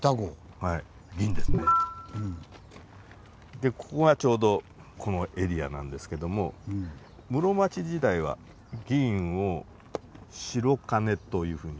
でここがちょうどこのエリアなんですけども室町時代は銀を「しろかね」というふうに。